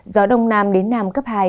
gió đông nam đến nàm cấp hai